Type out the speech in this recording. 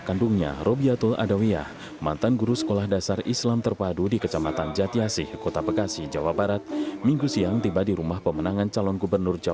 yang dialaminya hingga terjadi pemecatan oleh pihak sekolah tempatnya pekerja